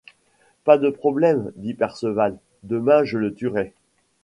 Pas de problème, dit Perceval, demain je le tuerai.